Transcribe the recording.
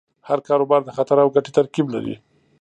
هر کاروبار د خطر او ګټې ترکیب لري.